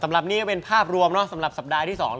สำหรับนี้ก็เป็นภาพรวมสำหรับสัปดาห์ที่๒